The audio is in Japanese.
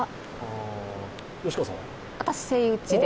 私はセイウチで。